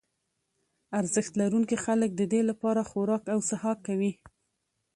ارزښت لرونکي خلک ددې لپاره خوراک او څښاک کوي.